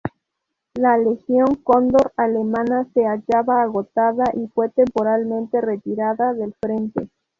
La "Legión Cóndor" alemana se hallaba agotada y fue temporalmente retirada del frente.